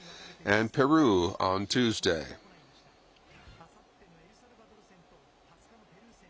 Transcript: あさってのエルサルバドル戦と２０日のペルー戦。